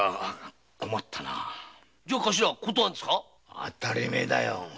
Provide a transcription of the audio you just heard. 当たり前だよ。